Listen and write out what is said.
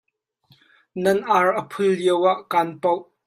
Nan ar a phul lioah kan poh.